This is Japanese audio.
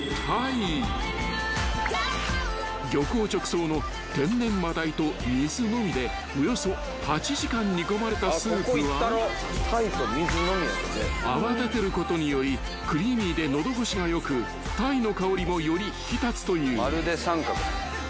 ［漁港直送の天然マダイと水のみでおよそ８時間煮込まれたスープは泡立てることによりクリーミーでのどごしが良くタイの香りもより引き立つという］